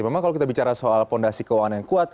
memang kalau kita bicara soal fondasi keuangan yang kuat